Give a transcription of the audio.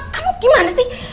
kamu gimana sih